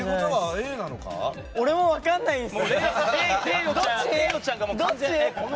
俺も分からないです。